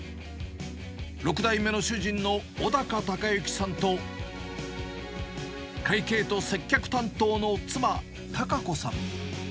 ６代目の主人の小高孝之さんと、会計と接客担当の妻、貴子さん。